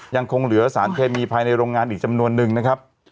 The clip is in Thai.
ยังคงเหลือสารเคมีภายในโรงงานอีกจำนวนนึงนะครับ